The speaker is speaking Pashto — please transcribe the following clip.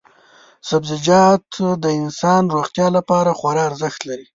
سبزیجات د انسان روغتیا لپاره خورا ارزښت لري.